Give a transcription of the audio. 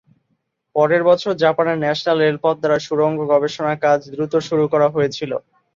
পরের বছর জাপানের ন্যাশনাল রেলপথ দ্বারা সুড়ঙ্গ গবেষণা কাজ দ্রুত শুরু করা হয়েছিল।